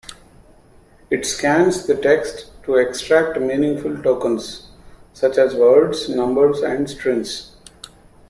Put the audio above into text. It scans the text to extract meaningful "tokens", such as words, numbers, and strings.